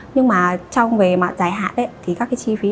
nhưng mà trong về mặt dài hạn thì các cái chi phí